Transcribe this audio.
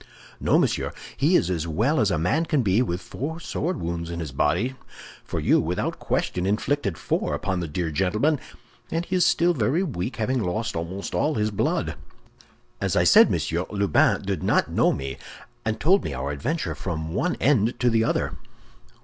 "No, monsieur, he is as well as a man can be with four sword wounds in his body; for you, without question, inflicted four upon the dear gentleman, and he is still very weak, having lost almost all his blood. As I said, monsieur, Lubin did not know me, and told me our adventure from one end to the other."